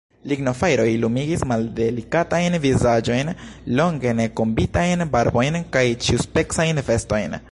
Lignofajroj lumigis maldelikatajn vizaĝojn, longe ne kombitajn barbojn kaj ĉiuspecajn vestojn.